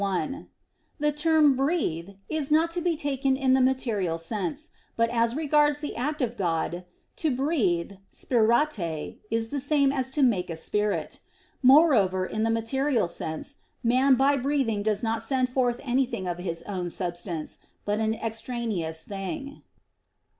1: The term "breathe" is not to be taken in the material sense; but as regards the act of God, to breathe (spirare), is the same as to make a spirit. Moreover, in the material sense, man by breathing does not send forth anything of his own substance, but an extraneous thing.